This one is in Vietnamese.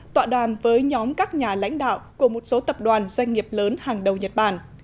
tọa đàm với nhóm các nhà lãnh đạo của một số tập đoàn doanh nghiệp lớn hàng đầu nhật bản